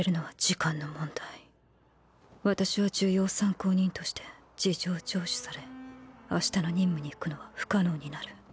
私は重要参考人として事情聴取され明日の任務に行くのは不可能になる。